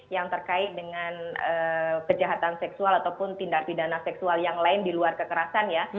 yang terkait dengan kejahatan seksual ataupun tindak pidana seksual yang lain di luar kekerasan ya